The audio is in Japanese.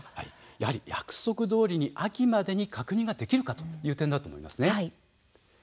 やはり約束どおりに秋までに確認ができるかという点だと思います。